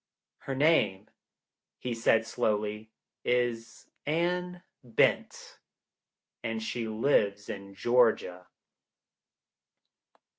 "Her name," he said slowly, "is Anne Bent. And she lives in Georgia."